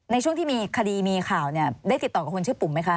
ในช่วงที่มีคดีมีข่าวเนี่ยได้ติดต่อกับคนชื่อปุ่มไหมคะ